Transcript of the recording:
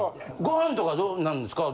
ご飯とかどうなんですか？